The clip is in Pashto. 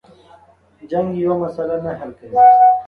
جنگ یوه مسله نه حل کوي.